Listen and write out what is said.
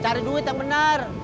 cari duit yang benar